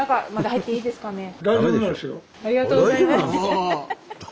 ありがとうございます。